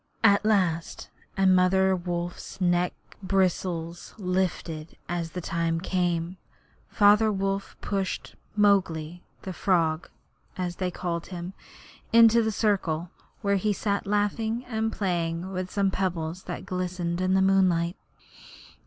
At last and Mother Wolfs neck bristles lifted as the time came Father Wolf pushed 'Mowgli the Frog,' as they called him, into the centre, where he sat laughing and playing with some pebbles that glistened in the moonlight.